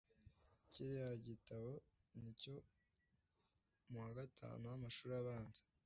Kiriya gitabo nicyo muwa gatanu wamashuri abanza